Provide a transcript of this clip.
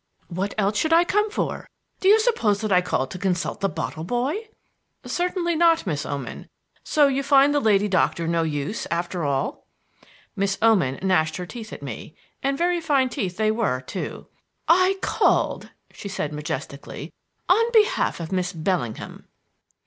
"What else should I come for? Do you suppose that I called to consult the bottle boy?" "Certainly not, Miss Oman. So you find the lady doctor no use, after all?" Miss Oman gnashed her teeth at me (and very fine teeth they were too). "I called," she said majestically, "on behalf of Miss Bellingham."